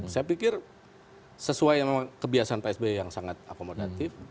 saya pikir sesuai kebiasaan pak sby yang sangat akomodatif